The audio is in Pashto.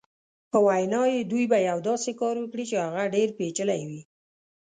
په وینا یې دوی به یو داسې کار وکړي چې هغه ډېر پېچلی وي.